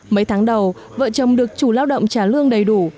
mấy tháng đầu vợ chồng được chủ lao động trả lương đầy đủ